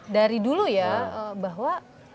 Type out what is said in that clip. dari dulu ya bahwa